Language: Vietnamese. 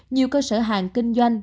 nhiều cơ sở hàng kinh doanh